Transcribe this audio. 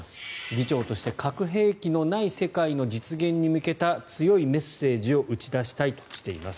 議長として核兵器のない世界の実現に向けた強いメッセージを打ち出したいとしています。